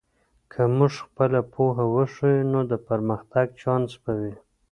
که موږ خپله پوهه وښیو، نو د پرمختګ چانس به وي.